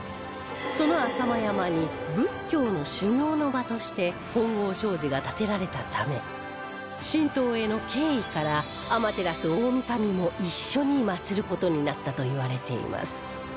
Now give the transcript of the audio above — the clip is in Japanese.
その朝熊山に仏教の修行の場として金剛證寺が建てられたため神道への敬意から天照大御神も一緒に祀る事になったといわれています